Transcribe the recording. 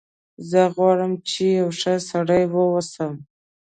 زه غواړم چې یو ښه سړی و اوسم